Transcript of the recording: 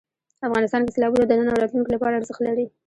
افغانستان کې سیلابونه د نن او راتلونکي لپاره ارزښت لري.